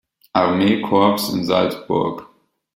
Armeekorps in Salzburg.